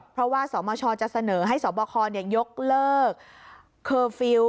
เพราะว่าสมชจะเสนอให้สบคยกเลิกเคอร์ฟิลล์